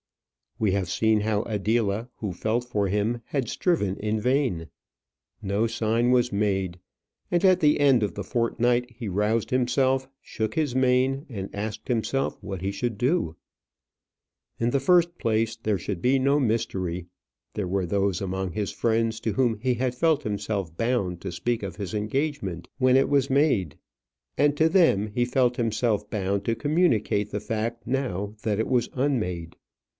We have seen how Adela, who felt for him, had striven in vain. No sign was made; and at the end of the fortnight he roused himself, shook his mane, and asked himself what he should do. In the first place, there should be no mystery. There were those among his friends to whom he had felt himself bound to speak of his engagement when it was made, and to them he felt himself bound to communicate the fact now that it was unmade.